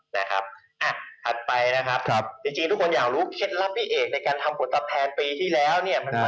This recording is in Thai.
ถัดไปนะครับทุกคนอยากรู้เคล็ดลับพี่เอกในการทำผลตภัณฑ์ปีที่แล้ว